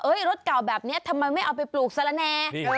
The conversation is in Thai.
รถเก่าแบบนี้ทำไมไม่เอาไปปลูกสละแน่